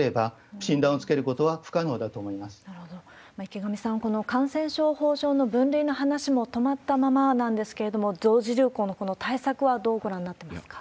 池上さん、この感染症法上の分類の話も止まったままなんですけれども、同時流行のこの対策はどうご覧になってますか？